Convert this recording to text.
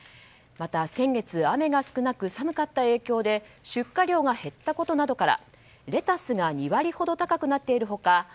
また、先月雨が少なく寒かった影響で出荷量が減ったことなどからレタスが２割ほど高くなっている他